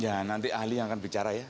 ya nanti ahli yang akan bicara ya